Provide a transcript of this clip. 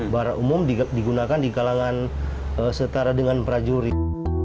bara umum digunakan di kalangan setara dengan prajurit